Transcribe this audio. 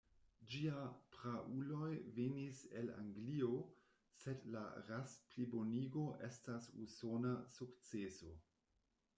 Ĝiaj prauloj venis el Anglio, sed la ras-plibonigo estas usona sukceso.